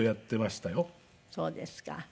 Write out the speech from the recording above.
そうですか。